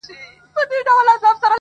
په کور دننه ښایست ورو ورو شي بې قدره اخر